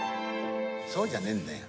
「そうじゃねえんだよ。